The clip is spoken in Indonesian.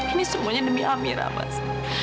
ini semuanya demi amira mas